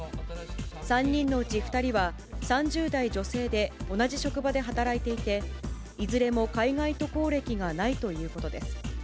３人のうち２人は、３０代女性で同じ職場で働いていて、いずれも海外渡航歴がないということです。